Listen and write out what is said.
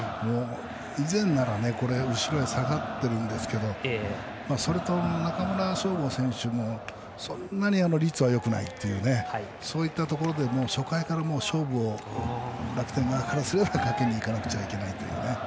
以前なら後ろへ下がっているんですけどそれと中村奨吾選手もそんなに率はよくないというそういったところで初回から、勝負を楽天側からすればかけにいかなくちゃいけないというね。